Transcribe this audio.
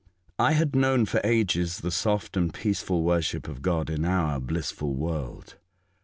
I had known for ages the soft and peaceful worship of God in our blissful world.